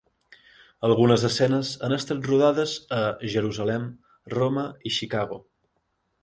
Algunes escenes han estat rodades a Jerusalem, Roma i Chicago.